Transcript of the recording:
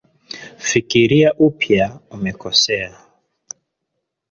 Fikiria upya umekosea